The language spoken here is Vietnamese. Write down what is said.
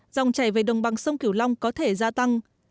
dòng chảy về đồng bằng sông kiểu long có thể gia tăng